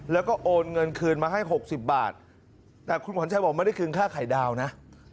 แล้วก็โอนเงินคืนมาให้๖๐บาทแต่คุณขวัญชัยบอกไม่ได้คืนค่าไข่ดาวนะ